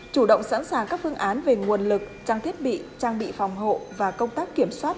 chủ động sẵn sàng các phương án về nguồn lực trang thiết bị trang bị phòng hộ và công tác kiểm soát